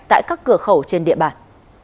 tại các cửa khẩu trên địa bàn